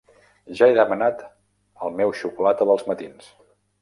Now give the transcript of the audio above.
Ja he demanat el meu xocolata dels matins.